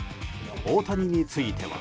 大谷については。